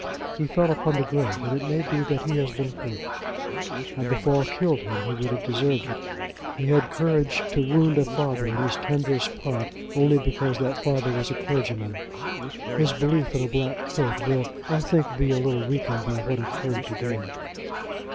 He fell upon the grate, and it may be that he has been hurt. Had the fall killed him he would have deserved it. He had courage to wound a father in his tenderest part, only because that father was a clergyman. His belief in a black coat will, I think, be a little weakened by what occurred to day."